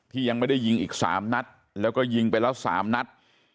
ยังไม่ได้ยิงอีก๓นัดแล้วก็ยิงไปแล้ว๓นัด